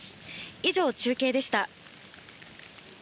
以上、中継でした。